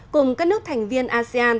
cùng các nước thành viên asean